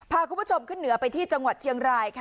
พาคุณผู้ชมขึ้นเหนือไปที่จังหวัดเชียงรายค่ะ